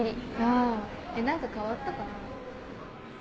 あ何か変わったかな？